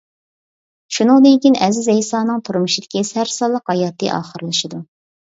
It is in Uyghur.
شۇنىڭدىن كىيىن ئەزىز ئەيسانىڭ تۇرمۇشىدىكى سەرسانلىق ھاياتى ئاخىرلىشىدۇ.